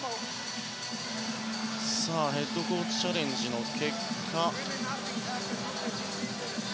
ヘッドコーチチャレンジの結果は。